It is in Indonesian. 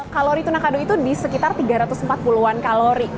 kalori tuna kado itu di sekitar tiga ratus empat puluh an kalori